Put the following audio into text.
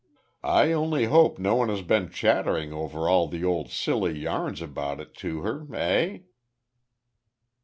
I only hope no one has been chattering over all the old silly yarns about it to her, eh?"